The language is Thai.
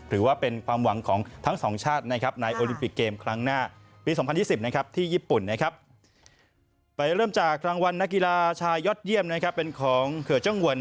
รางวัลนักกีฬาชายยอดเยี่ยมเป็นของเผือเจ้าหวน